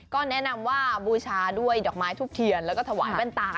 ก็แนะนำว่าบูชาด้วยดอกไม้ทุบเทียนแล้วก็ถวายแว่นตา